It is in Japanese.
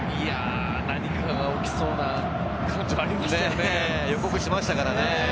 何かが起きそうな感じはありましたよね。